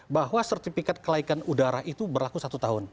bahwa sertifikat kelaikan udara itu berlaku satu tahun